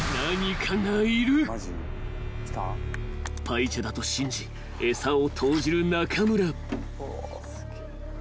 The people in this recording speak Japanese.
［パイチェだと信じ餌を投じる中村］